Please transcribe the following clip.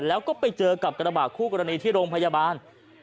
แล้วก็ไปเจอกับกระบาดคู่กรณีที่โรงพยาบาล